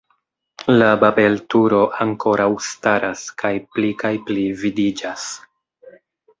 La babelturo ankoraŭ staras kaj pli kaj pli vidiĝas.